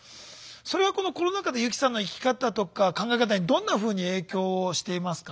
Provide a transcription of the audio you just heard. それがこのコロナ禍で湯木さんの生き方とか考え方にどんなふうに影響をしていますか？